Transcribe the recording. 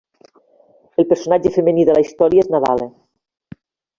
El personatge femení de la història és Nadala.